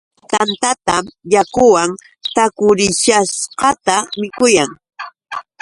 Tantatam yakuwan takurachishqata mikuyan.